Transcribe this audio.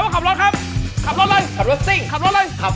ขอบคุณครับ